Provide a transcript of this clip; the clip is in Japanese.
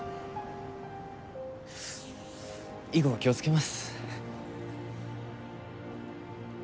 以後気をつけます。